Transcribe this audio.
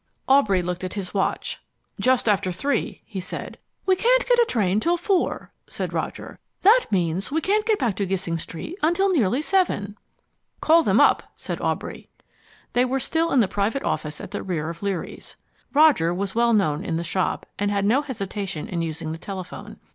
Aubrey looked at his watch. "Just after three," he said. "We can't get a train till four," said Roger. "That means we can't get back to Gissing Street until nearly seven." "Call them up," said Aubrey. They were still in the private office at the rear of Leary's. Roger was well known in the shop, and had no hesitation in using the telephone.